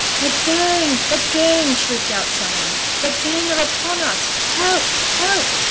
'The gang! the gang!' shrieked out some one. 'The gang are upon us! Help! help!'